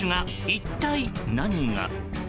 一体、何が。